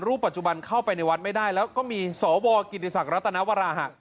ปัจจุบันเข้าไปในวัดไม่ได้แล้วก็มีสวกิติศักดิรัตนวราหะ